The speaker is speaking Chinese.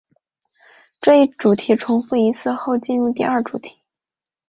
这一主题重复一次后进入第二主题。